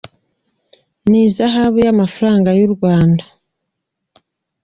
n’ihazabu y’amafaranga y’u Rwanda